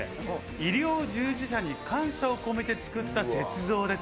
医療従事者に感謝を込めて作った雪像です。